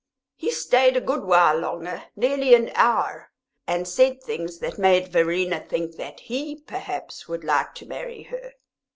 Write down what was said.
He stayed a good while longer, nearly an hour, and said things that made Verena think that he, perhaps, would like to marry her.